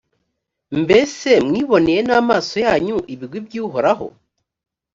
mbese mwiboneye n’amaso yanyu ibigwi by’uhoraho!